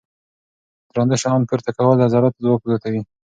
درانده شیان پورته کول د عضلاتو ځواک زیاتوي.